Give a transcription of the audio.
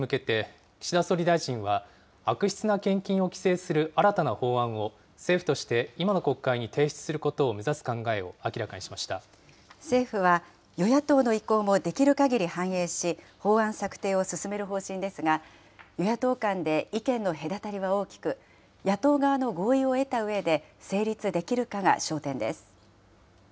旧統一教会の被害者救済に向けて、岸田総理大臣は、悪質な献金を規制する新たな法案を、政府として今の国会に提出することを政府は与野党の意向もできるかぎり反映し、法案策定を進める方針ですが、与野党間で意見の隔たりは大きく、野党側の合意を得たうえで、成立できるかが焦点です。